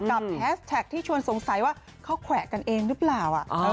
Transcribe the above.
แฮชแท็กที่ชวนสงสัยว่าเขาแขวะกันเองหรือเปล่า